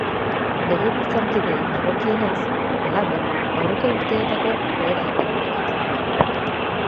Legebiltzarkideei dagokienez, halaber, aurreko urteetako joera errepikatzen da.